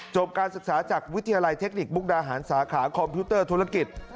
การศึกษาจากวิทยาลัยเทคนิคมุกดาหารสาขาคอมพิวเตอร์ธุรกิจ